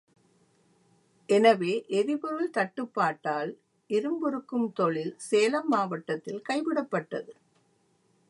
எனவே எரிபொருள் தட்டுப்பாட்டால் இரும்புருக்கும் தொழில் சேலம் மாவட்டத்தில் கைவிடப் பட்டது.